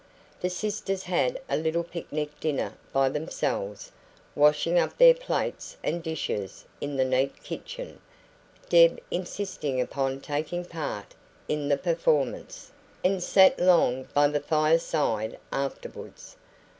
The sisters had a little picnic dinner by themselves, washing up their plates and dishes in the neat kitchen, Deb insisting upon taking part in the performance, and sat long by the fireside afterwards.